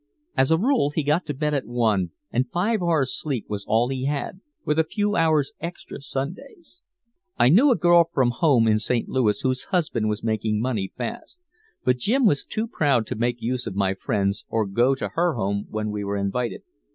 As a rule he got to bed at one, and five hours' sleep was all he had with a few hours extra Sundays. "I knew a girl from home in St. Louis whose husband was making money fast. But Jim was too proud to make use of my friends or go to her home when we were invited.